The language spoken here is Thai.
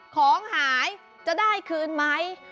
ของหายจะได้คืนไหม